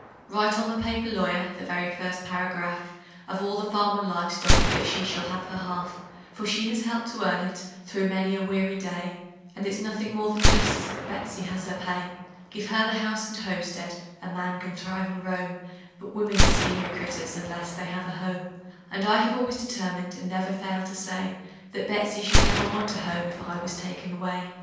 Write on the paper, lawyer the very first paragraph Of all the farm and live stock that she shall have her half; For she has helped to earn it, through many a weary day, And it's nothing more than justice that Betsey has her pay. Give her the house and homestead a man can thrive and roam; But women are skeery critters, unless they have a home; And I have always determined, and never failed to say, That Betsey never should want a home if I was taken away.